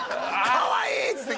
「かわいい！」っつって？